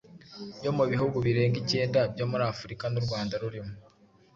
yo mu bihugu birenga ikenda byo muri Afurika, n’u Rwanda rurimo.